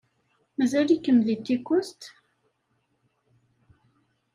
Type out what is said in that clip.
Mazal-ikem deg Tikust?